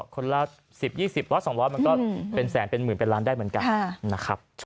คนละ๑๐๒๐๑๐๐๒๐๐มันก็เป็นแสนเป็นหมื่นเป็นล้านได้เหมือนกันนะครับ